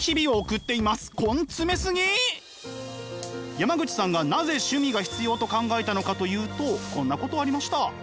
山口さんがなぜ趣味が必要と考えたのかというとこんなことありました。